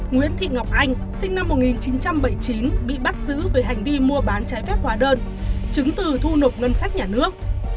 nguyễn thị ngọc anh sinh năm một nghìn chín trăm bảy mươi chín bị bắt giữ về hành vi mua bán trái phép hóa đơn chứng từ thu nộp ngân sách nhà nước